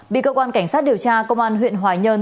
bị cơ quan cảnh sát điều tra công an huyện hoài nhơn